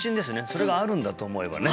それがあるんだと思えばね